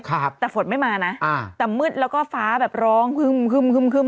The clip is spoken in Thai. แต่ฝนไม่มานะแต่มึดแล้วก็ฟ้าแบบร้องคึ่มมา